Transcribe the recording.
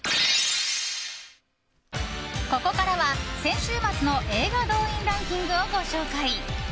ここからは、先週末の映画動員ランキングをご紹介。